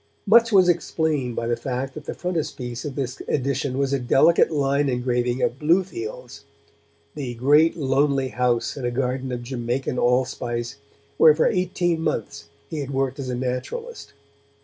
Much was explained by the fact that the frontispiece of this edition was a delicate line engraving of Blewfields, the great lonely house in a garden of Jamaican all spice where for eighteen months he had worked as a naturalist.